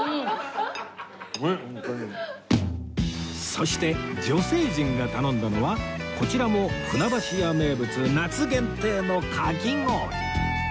そして女性陣が頼んだのはこちらも船橋屋名物夏限定のかき氷